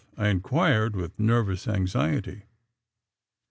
I inquired with nervous anxiety.